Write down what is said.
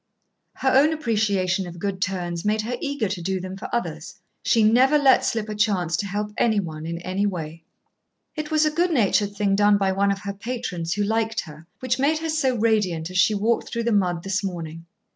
Her own appreciation of good turns made her eager to do them for others. She never let slip a chance to help any one in any way. It was a good natured thing done by one of her patrons who liked her, which made her so radiant as she walked through the mud this morning.